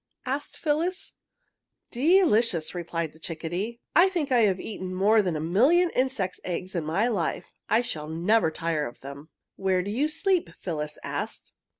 asked Phyllis. "Delicious!" replied the chickadee. "I think I have eaten more than a million insects' eggs in my life. I shall never tire of them." "Where do you sleep?" Phyllis asked.